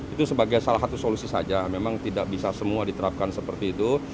itu sebagai salah satu solusi saja memang tidak bisa semua diterapkan seperti itu